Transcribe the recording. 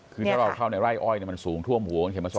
คือถ้าเราเข้าในไร่อ้อยมันสูงทั่วหมู